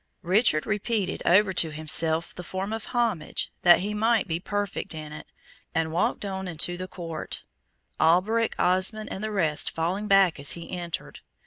Richard repeated over to himself the form of homage that he might be perfect in it, and walked on into the court; Alberic, Osmond, and the rest falling back as he entered.